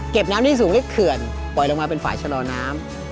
น้ำที่สูงเล็กเขื่อนปล่อยลงมาเป็นฝ่ายชะลอน้ำ